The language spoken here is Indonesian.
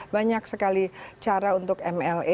banyak sekali cara untuk mla